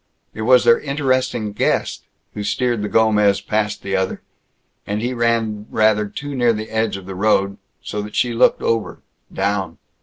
It was their interesting guest who steered the Gomez past the other; and he ran rather too near the edge of the road ... so that she looked over, down.